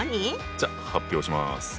じゃあ発表します。